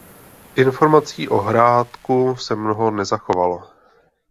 Informací o hrádku se mnoho nezachovalo.